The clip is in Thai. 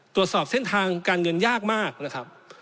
ตรวจสอบเส้นทางการเงินยากมากนะครับ